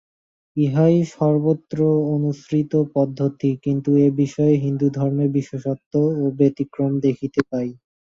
ইহাই সর্বত্র অনুসৃত পদ্ধতি, কিন্তু এ-বিষয়ে হিন্দুধর্মে বিশেষত্ব ও ব্যতিক্রম দেখিতে পাই।